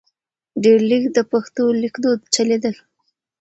ډېر لږ د پښتو لیکدود چلیدل .